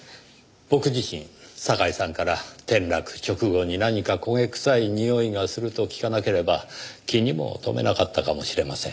僕自身堺さんから転落直後に何か焦げ臭いにおいがすると聞かなければ気にも留めなかったかもしれません。